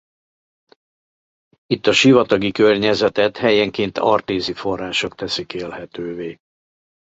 Itt a sivatagi környezetet helyenként artézi források teszik élhetővé.